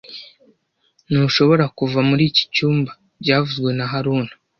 Ntushobora kuva muri iki cyumba byavuzwe na haruna